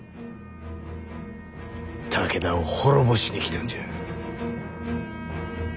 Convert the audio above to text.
武田を滅ぼしに来たんじゃ。